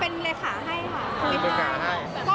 เป็นเลขาให้ค่ะคุยกัน